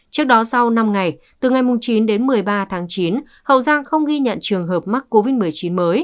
trước đó sau năm ngày từ ngày chín đến một mươi ba tháng chín hậu giang không ghi nhận trường hợp mắc covid một mươi chín mới